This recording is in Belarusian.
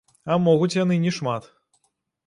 А могуць яны не шмат.